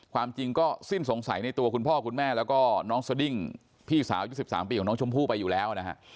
ความจริงก็สิ้นสงสัยในตัวคุณพ่อคุณแม่แล้วก็น้องสดิ้งพี่สาวยุค๑๓ปีของน้องชมพู่ไปอยู่แล้วนะฮะ